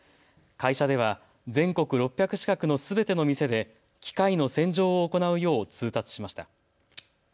会社では全国６００近くのすべての店で機械の洗浄を行うよう通達しました。